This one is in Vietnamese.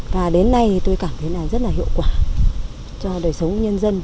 và đến nay thì tôi cảm thấy là rất là hiệu quả cho đời sống nhân dân